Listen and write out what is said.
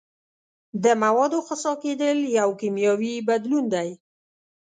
د موادو خسا کیدل یو کیمیاوي بدلون دی.